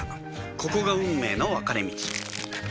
ここが運命の分かれ道